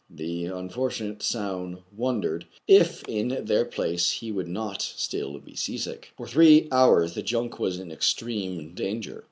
The unfortunate Soun wondered if in their place he would not still be seasick. For three hours the junk was in extreme dan ger.